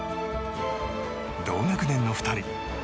同学年の２人。